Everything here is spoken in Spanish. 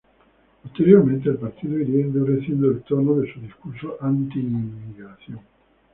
Posteriormente, el Partido iría endureciendo el tono de su discurso anti-inmigración.